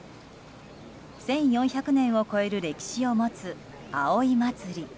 １４００年を超える歴史を持つ葵祭。